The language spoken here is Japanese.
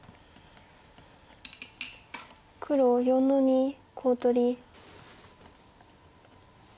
黒４の二コウ取り。